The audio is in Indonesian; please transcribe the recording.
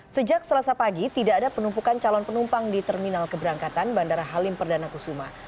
sejak selasa pagi tidak ada penumpukan calon penumpang di terminal keberangkatan bandara halim perdana kusuma